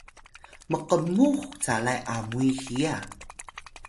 mkmux calay Amuy hiya